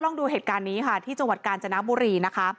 ดูเหตุการณ์นี้ค่ะที่จังหวัดกาญจนบุรีนะคะ